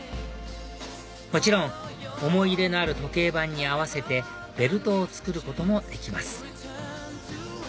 もちろん思い入れのある時計盤に合わせてベルトを作ることもできます